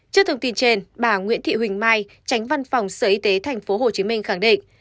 trước thông tin trên bà nguyễn thị huỳnh mai tránh văn phòng sở y tế tp hcm khẳng định